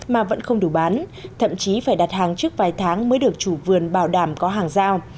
mà vẫn không đủ bán thậm chí phải đặt hàng trước vài tháng mới được chủ vườn bảo đảm có hàng giao